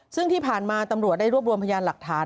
ซึ่งที่ผ่านมาตำรวจได้รวบรวมพยานหลักฐาน